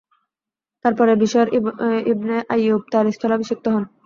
তার পরে বিশর ইবন আইয়ূব তার স্থলাভিষিক্ত হন।